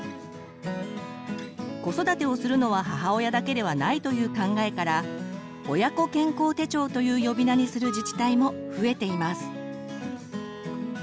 子育てをするのは母親だけではないという考えから「親子健康手帳」という呼び名にする自治体も増えています。